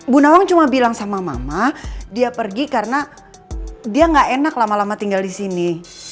bu nawang cuma bilang sama mama dia pergi karena dia gak enak lama lama tinggal di sini